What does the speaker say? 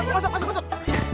masuk masuk masuk